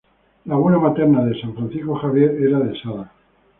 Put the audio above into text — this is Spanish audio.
La abuela materna de San Francisco Javier era de Sada.